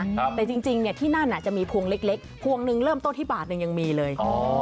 แต่จริงจริงเนี่ยที่นั่นอ่ะจะมีพวงเล็กเล็กพวงหนึ่งเริ่มต้นที่บาทหนึ่งยังมีเลยอ๋อ